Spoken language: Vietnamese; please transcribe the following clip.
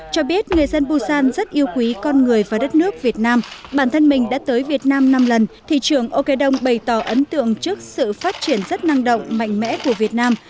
cho biết người dân busan rất yêu quý con người và đất nước việt nam bản thân mình đã tới việt nam năm lần thị trường oke đông bày tỏ ấn tượng trước sự phát triển rất năng động mạnh mẽ của việt nam